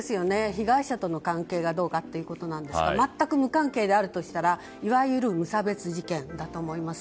被害者との関係がどうかということなんですが全く無関係であるとすればいわゆる無差別事件だと思います。